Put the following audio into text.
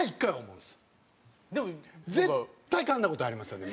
絶対かんだ事ありますよね？